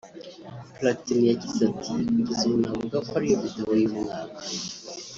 Platini yagize ati “Kugeza ubu navuga ko ari yo video y’umwaka